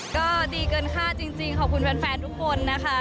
ก็ดีเกินค่าจริงขอบคุณแฟนทุกคนนะคะ